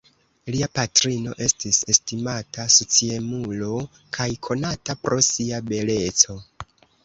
Lia patrino estis estimata sociemulo kaj konata pro sia beleco.